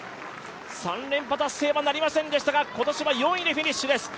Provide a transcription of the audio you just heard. ３連覇達成はなりませんでしたが、今年は４位でフィニッシュです。